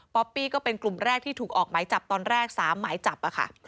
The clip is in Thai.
อปปี้ก็เป็นกลุ่มแรกที่ถูกออกหมายจับตอนแรก๓หมายจับค่ะ